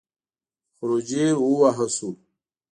خروجی ووهه شو.